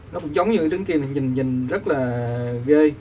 nó cũng giống như trứng kia mà nhìn rất là ghê